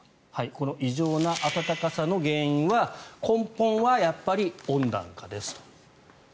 この異常な暖かさの原因は根本はやっぱり温暖化ですと。